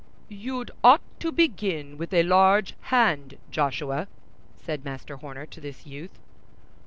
"You'd ought to begin with large hand, Joshuay," said Master Horner to this youth.